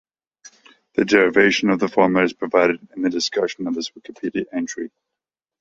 The derivation of the formula is provided in the discussion of this Wikipedia entry.